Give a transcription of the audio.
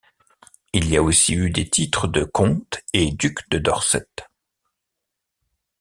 Il y a aussi eu des titres de comte et duc de Dorset.